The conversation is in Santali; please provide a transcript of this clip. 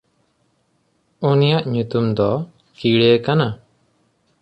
ᱩᱱᱤᱭᱟᱜ ᱧᱩᱛᱩᱢ ᱫᱚ ᱠᱤᱲᱮ ᱠᱟᱱᱟ᱾